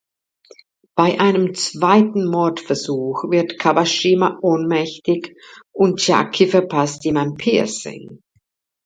Bei einem zweiten Mordversuch wird Kawashima ohnmächtig und Chiaki verpasst ihm ein Piercing.